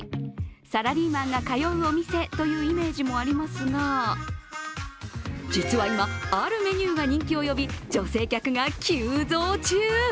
サラリーマンが通うお店というイメージもありますが、実は今、あるメニューが人気を呼び女性客が急増中。